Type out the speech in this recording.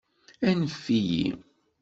Anef-iyi.